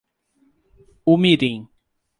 Umirim